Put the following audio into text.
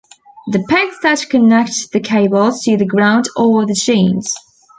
The pegs that connect the cables to the ground are the genes.